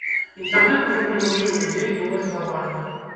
Інтэрнэт ужо прывучыў людзей думаць глабальна.